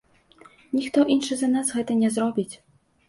Ніхто іншы за нас гэта не зробіць.